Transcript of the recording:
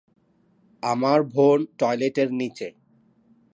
আমার বোন টয়লেটের নিচে।